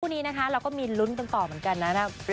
คู่นี้นะคะเราก็มีลุ้นต่อเหมือนกันนะครับ